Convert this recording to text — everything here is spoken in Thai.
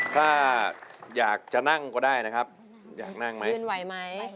ถ้าอยากจะนั่งก็ได้นะครับอยากนั่งไหมยืนไหวไหม